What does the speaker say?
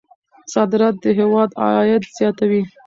صادرات د هېواد عاید زیاتوي.